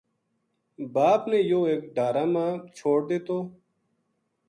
باپ نے یوہ ایک ڈھارہ ما ما چھوڈ دتو